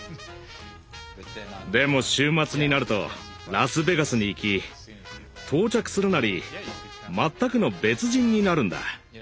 でも週末になるとラスベガスに行き到着するなり全くの別人になるんだ。